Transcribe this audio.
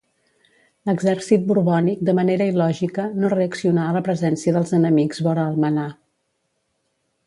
L'exèrcit borbònic de manera il·lògica, no reaccionà a la presència dels enemics vora Almenar.